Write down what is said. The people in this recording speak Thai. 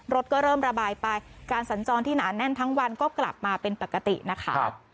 รถก็เริ่มระบายไปการสัญจรที่หนาแน่นทั้งวันก็กลับมาเป็นปกตินะคะ